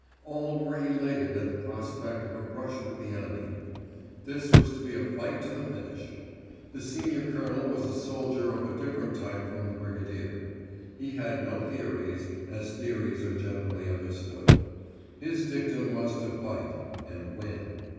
All were elated at the prospect of a brush with the enemy. This was to be a fight to the finish. The Senior Colonel was a soldier of a different type from the Brigadier. He had no theories, as theories are generally understood. His dictum was to fight—and win.